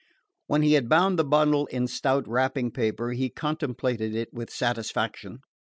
When he had bound the bundle in stout wrapping paper he contemplated it with satisfaction.